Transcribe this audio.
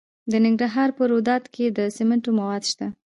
د ننګرهار په روداتو کې د سمنټو مواد شته.